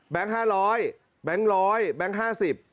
แบงค์๕๐๐บาทแบงค์๑๐๐บาทแบงค์๕๐บาท